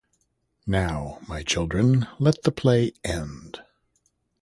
Now, my children, let the play end.